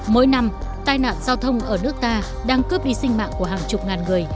mỗi năm tai nạn giao thông ở nước ta đang cướp đi sinh mạng của hàng chục ngàn người